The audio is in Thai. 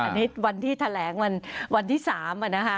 อันนี้วันที่แถลงวันที่๓นะคะ